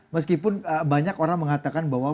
meskipun banyak orang mengatakan bahwa